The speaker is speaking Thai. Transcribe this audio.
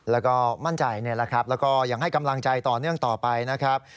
แล้วก็มั่นใจนี่แหละครับแล้วก็ยังให้กำลังใจต่อเนื่องต่อไปนะครับ